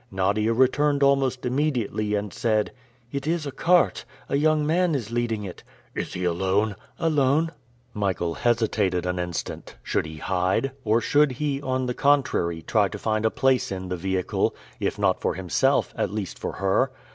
Nadia returned almost immediately and said, "It is a cart. A young man is leading it." "Is he alone?" "Alone." Michael hesitated an instant. Should he hide? or should he, on the contrary, try to find a place in the vehicle, if not for himself, at least for her?